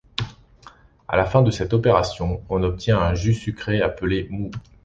À la fin de cette opération, on obtient un jus sucré appelé moût.